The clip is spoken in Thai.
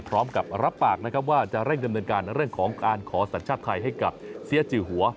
พร้อมกับรับปากนะครับว่าจะเร่งดำเนินการเรื่องของการขอสัญชาติไทยให้กับเสียจือหัว